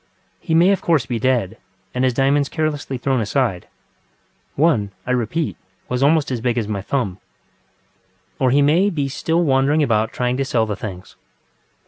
He may of course be dead, and his diamonds carelessly thrown asideŌĆöone, I repeat, was almost as big as my thumb. Or he may be still wandering about trying to sell the things.